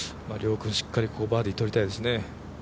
遼君、ここしっかりバーディーをとりたいですね。